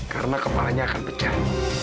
karena kepalanya akan pecah